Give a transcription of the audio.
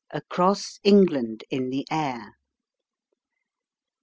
ACROSS ENGLAND IN THE AIR.